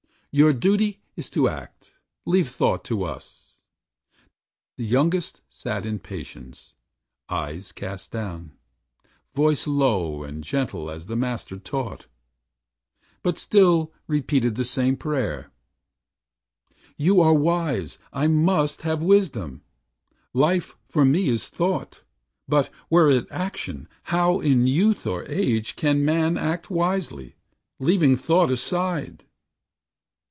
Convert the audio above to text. Your duty is to act; leave thought to us." The youngest sat in patience, eyes, cast down, Voice low and gentle as the Master taught; But still repeated the same prayer: "You are wise; I must have wisdom. Life for me is thought, But, were it action, how, in youth or age, Can man act wisely, leaving thought aside?"